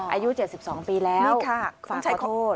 อายุ๗๒ปีแล้วนี่ค่ะฝากขอโทษ